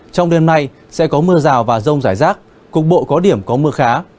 trong đêm nay sẽ có mưa rào và rông rải rác cục bộ có điểm có mưa khá